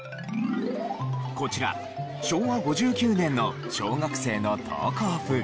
こちら昭和５９年の小学生の登校風景。